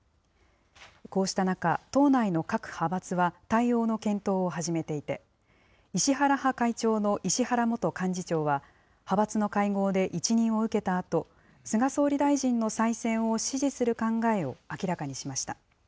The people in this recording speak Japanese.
こうした中、党内の各派閥は対応の検討を始めていて、石原派会長の石原元幹事長は、派閥の会合で一任を受けたあと、菅総理大臣の再選を支持する考えを明らかにしました。